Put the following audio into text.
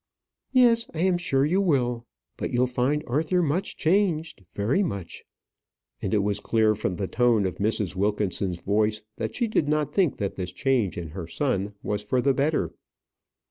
"Yes, I am sure you will. But you'll find Arthur much changed very much." And it was clear from the tone of Mrs. Wilkinson's voice that she did not think that this change in her son was for the better.